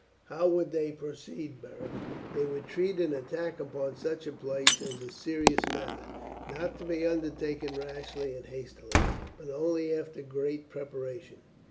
"How would they proceed, Beric?" "They would treat an attack upon such a place as a serious matter, not to be undertaken rashly and hastily, but only after great preparation.